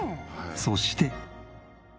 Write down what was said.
そして。